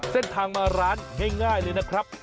เส้นทางมาร้านง่ายเลยนะครับ